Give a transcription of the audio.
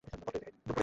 তুই ওঠ জিল।